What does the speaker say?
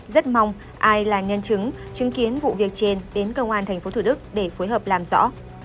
rất mong ai là nhân chứng chứng kiến vụ việc trên đến công an tp thủ đức để phối hợp làm rõ